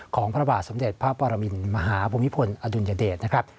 พระบาทสมเด็จพระปรมินมหาภูมิพลอดุลยเดชนะครับ